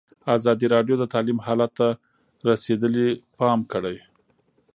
ازادي راډیو د تعلیم حالت ته رسېدلي پام کړی.